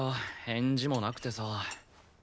返事もなくてさ。